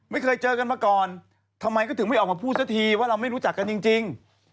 ไม่เคยเจอกันมาก่อนทำไมก็ถึงไม่ออกมาพูดซะทีว่าเราไม่รู้จักกันจริง